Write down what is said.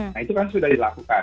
nah itu kan sudah dilakukan